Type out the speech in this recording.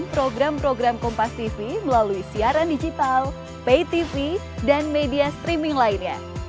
program program kompastv melalui siaran digital paytv dan media streaming lainnya